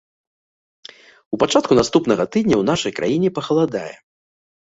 У пачатку наступнага тыдня ў нашай краіне пахаладае.